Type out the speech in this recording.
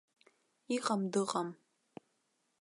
Иҟам дыҟам.